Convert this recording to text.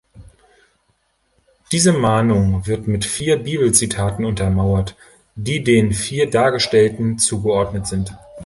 Diese Mahnung wird mit vier Bibelzitaten untermauert, die den vier Dargestellten zugeordnet sind.